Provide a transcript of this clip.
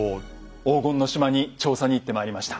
黄金の島に調査に行ってまいりました。